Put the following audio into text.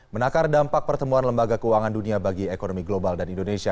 menakar dampak pertemuan lembaga keuangan dunia bagi ekonomi global dan indonesia